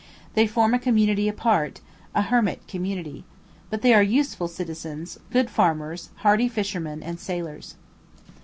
They form a community apart, a hermit community. But they are useful citizens, good farmers, hardy fishermen and sailors.